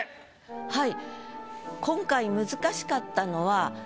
はい。